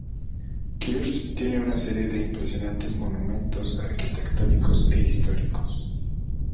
Kerch tiene una serie de impresionantes monumentos arquitectónicos e históricos.